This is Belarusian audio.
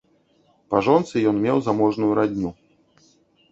Па жонцы ён меў заможную радню.